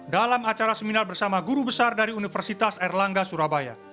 dalam acara seminar bersama guru besar dari universitas erlangga surabaya